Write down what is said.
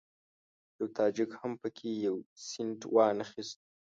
یوه تاجک هم په کې یو سینټ وانخیست.